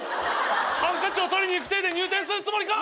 ハンカチを取りに行く体で入店するつもりか。